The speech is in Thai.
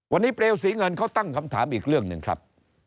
วันนี้เปลวศรีเงินเขาตั้งคำถามอีกเรื่องหนึ่งครับ